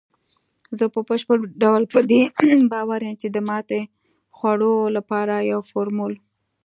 زه په بشپړ ډول په دې باور یم، چې د ماتې خوړلو لپاره یو فارمول